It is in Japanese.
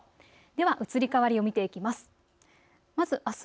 では移り変わりを見ていきます。